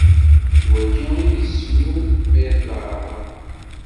D wagi i d isem-iw ay at leɛraḍ.